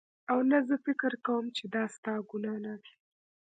او نه زه فکر کوم چې دا ستا ګناه نده